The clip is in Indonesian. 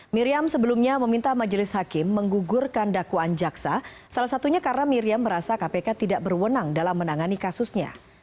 miriam sebelumnya meminta majelis hakim menggugurkan dakwaan jaksa salah satunya karena miriam merasa kpk tidak berwenang dalam menangani kasusnya